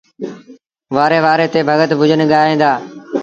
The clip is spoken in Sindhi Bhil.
وآري وآري تي ڀڳت ڀُڄن ڳائيٚݩ دآ